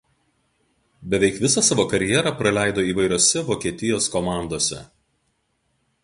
Beveik visą savo karjerą praleido įvairiose Vokietijos komandose.